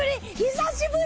久しぶり！